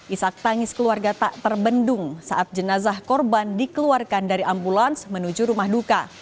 isak tangis keluarga tak terbendung saat jenazah korban dikeluarkan dari ambulans menuju rumah duka